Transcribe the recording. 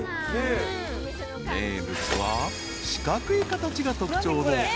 ［名物は四角い形が特徴の］